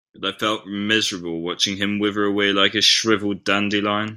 But I felt miserable watching him wither away like a shriveled dandelion.